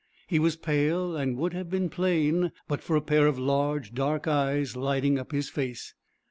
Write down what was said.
He was pale, and would have been plain, but for a pair of large, dark eyes, lighting up his face.